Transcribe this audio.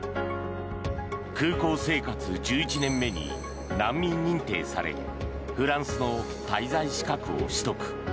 空港生活１１年目に難民認定されフランスの滞在資格を取得。